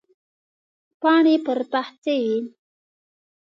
پاڼې پر پخڅې وې.